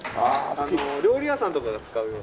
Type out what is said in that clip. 料理屋さんとかが使うような。